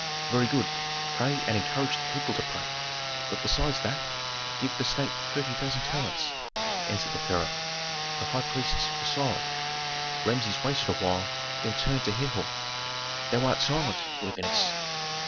"Very good; pray and encourage the people to pray. But besides that give the state thirty thousand talents," answered the pharaoh. The high priests were silent; Rameses waited a while, then turned to Herhor, "Thou art silent, worthiness."